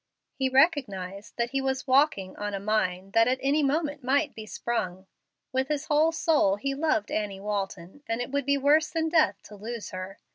He recognized that he was walking on a mine that at any moment might be sprung. With his whole soul he loved Annie Walton, and it would be worse than death to lose her.